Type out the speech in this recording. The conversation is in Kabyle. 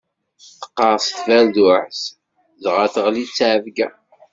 Teqqerṣ tberduɛt, dɣa teɣli tteɛbeyya.